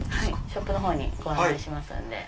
ショップのほうにご案内します。